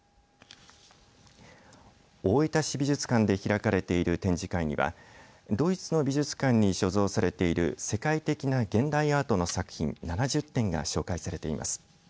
大分市美術館で開かれている展示会にはドイツの美術館に所蔵されている世界的な現代アートの作品７０点が紹介されています。